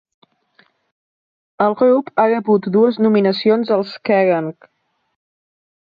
El grup ha rebut dues nominacions al Kerrang!